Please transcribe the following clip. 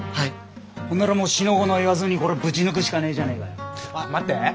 そんならもう四の五の言わずにこれぶち抜くしかねえじゃねえかよ。あっ待って。